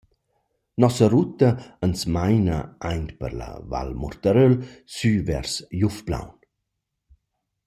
Nossa ruta ans maina aint per la val Murtaröl sü vers Jufplaun.